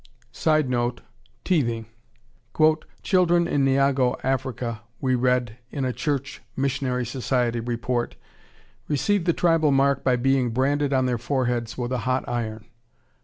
[Sidenote: Teething.] "Children in Nyago, Africa," we read in a Church Missionary Society report, "receive the tribal mark by being branded on their foreheads with a hot iron.